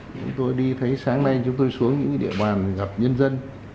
thì chúng tôi đi thấy sáng nay chúng tôi xuống những địa bàn gặp nhân dân